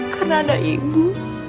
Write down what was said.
karena ada ibu